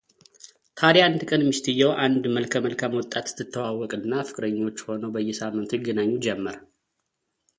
ታዲያ አንድ ቀን ሚስትየው አንድ መልከ መልካም ወጣት ትተዋወቅና ፍቅረኞች ሆነው በየሳምነቱ ይገናኙ ጀመር፡፡